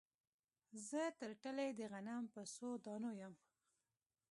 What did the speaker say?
زه ترټلي د غنم په څو دانو یم